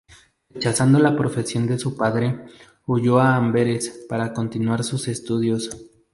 Rechazando la profesión de su padre, huyó a Amberes para continuar sus estudios.